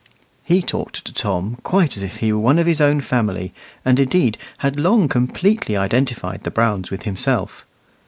He talked to Tom quite as if he were one of his own family, and indeed had long completely identified the Browns with himself.